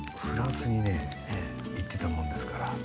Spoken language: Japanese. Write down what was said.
フランスにね行ってたもんですから。